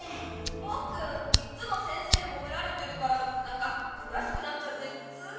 ポッくんいつも先生にほめられてるからなんかくやしくなっちゃってつい。